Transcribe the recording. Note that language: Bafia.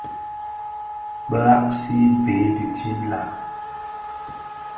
Bëghasi bèè dhitin la?